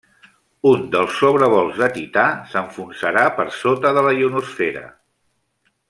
Un dels sobrevols de Tità s'enfonsarà per sota de la ionosfera.